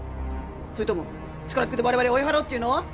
それとも力ずくで我々を追い払おうっていうの？